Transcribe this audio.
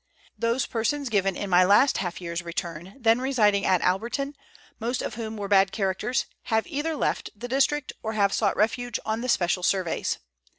Those persons given in my last half year's return, then residing at Alberton, most of whom were bad characters, have either left the district, or have sought refuge on the special surveys.